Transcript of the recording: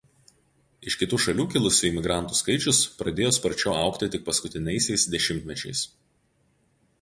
Iš kitų šalių kilusių imigrantų skaičius pradėjo sparčiau augti tik paskutiniaisiais dešimtmečiais.